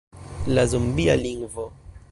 La zombia lingvo.